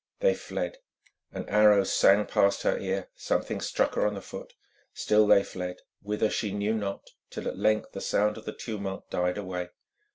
They fled, an arrow sang past her ear; something struck her on the foot. Still they fled, whither she knew not, till at length the sound of the tumult died away.